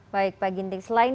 baik pak ginting selain